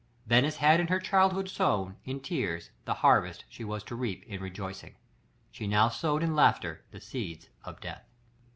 Venice had in her childhood sown, in tears, the harvest she was to reap in rejoicing. She now sowed in laughter the seeds of death.